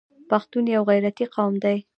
پښتون یو غیرتي قوم دی.